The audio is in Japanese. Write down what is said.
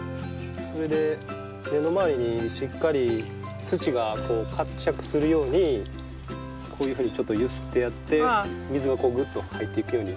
それで根の周りにしっかり土が活着するようにこういうふうにちょっと揺すってやって水がグッと入っていくように。